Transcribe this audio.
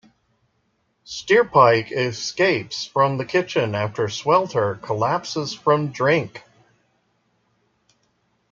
Steerpike escapes from the kitchen after Swelter collapses from drink.